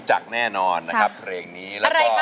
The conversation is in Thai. อะไรคะศรี